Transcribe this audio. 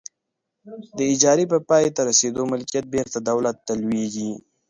د اجارې په پای ته رسیدو ملکیت بیرته دولت ته لویږي.